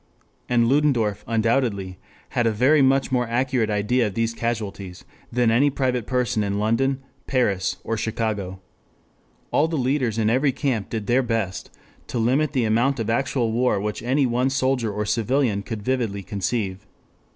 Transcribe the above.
] and Ludendorff undoubtedly had a very much more accurate idea of these casualties than any private person in London, Paris or Chicago. All the leaders in every camp did their best to limit the amount of actual war which any one soldier or civilian could vividly conceive.